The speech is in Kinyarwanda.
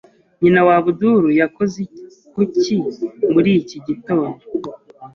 Nyina wa Abdul yakoze kuki muri iki gitondo.